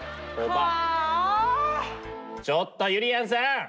ちょっとゆりやんさん！